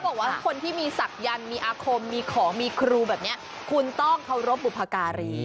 บอกว่าคนที่มีศักยันต์มีอาคมมีของมีครูแบบนี้คุณต้องเคารพบุพการี